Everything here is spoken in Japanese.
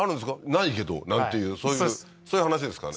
「ないけど」なんていうそういう話ですかね？